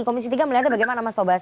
komisi tiga melihatnya bagaimana mas tobas